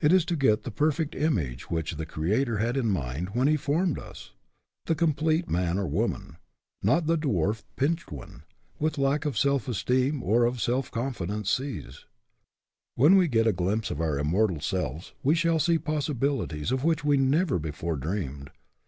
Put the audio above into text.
It is to get the perfect image which 18 HE CAN WHO THINKS HE CAN the Creator had in mind when He formed us, the complete man or woman, not the dwarfed, pinched one which lack of self es teem or of self confidence sees. When we get a glimpse of our immortal selves, we shall see possibilities of which we never before dreamed.